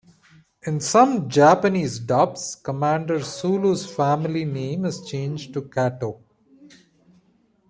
In some Japanese dubs, Commander Sulu's family name is changed to Kato.